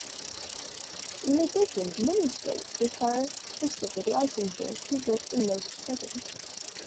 In addition, many states require specific licensure to work in most settings.